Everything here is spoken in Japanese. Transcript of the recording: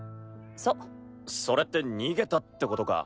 それって逃げたってことか？